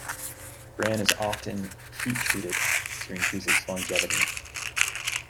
Bran is often heat-treated to increase its longevity.